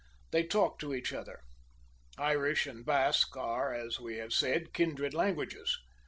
They talked to each other. Irish and Basque are, as we have said, kindred languages.